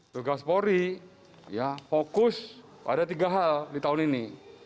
tugas polri fokus pada tiga hal di tahun ini